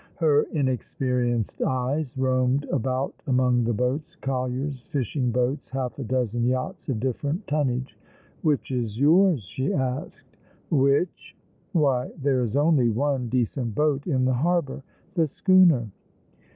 Her inexperienced eyes roamed about among the boats, colliers, fishing boats, half a dozen yachts of difierent tonnage. " Which is yours?" she asked. "Which? Why, there is only one decent boat in the harbour. The schooner."